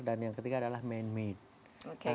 dan yang ketiga adalah man made